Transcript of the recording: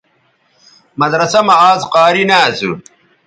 مدرسہ مہ آزقاری نہ اسُو